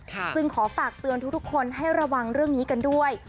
ซึ่งขอฝากเตือนทุกคนให้ระวังเรื่องนี้กันด้วย